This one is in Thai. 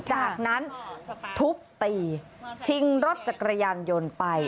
จากนั้นทุบตีชิงรถจักรยานยนต์ไป